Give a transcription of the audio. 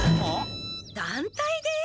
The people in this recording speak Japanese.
だんたいで？